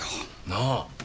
なあ。